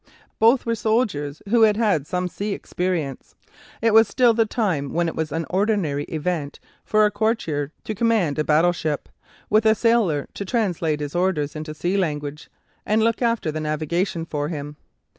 Both were soldiers who had had some sea experience. It was still the time when it was an ordinary event for a courtier to command a battleship, with a sailor to translate his orders into sea language and look after the navigation for him.